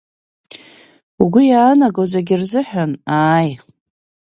Угәы иаанаго зегьы рзыҳәан ааи!